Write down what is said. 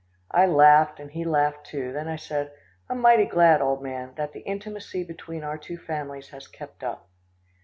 I laughed, and he laughed too; then I said, "I'm mighty glad, old man, that the intimacy between our two families has kept up."